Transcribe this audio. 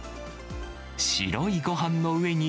白いごはんの上に、